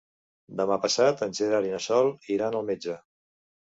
Demà passat en Gerard i na Sol iran al metge.